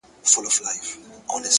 هره تجربه د ژوند نوی رنګ ورزیاتوي،